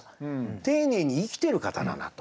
丁寧に生きてる方だなと。